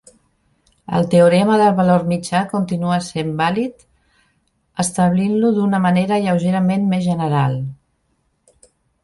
El teorema del valor mitjà continua sent vàlid establint-lo d'una manera lleugerament més general.